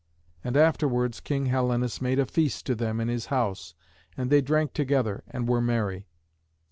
And afterwards King Helenus made a feast to them in his house, and they drank together and were merry.